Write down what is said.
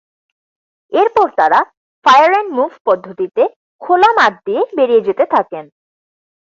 এরপর তারা fire and move পদ্ধতিতে খোলা মাঠ দিয়ে বেরিয়ে যেতে থাকেন।